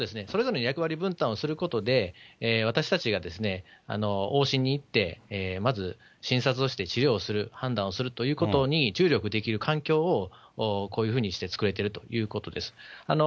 それぞれの役割分担をすることで、私たちが往診に行って、まず診察をして、治療をする、判断をするということに注力できる環境をこういうふうにして作れてるということです。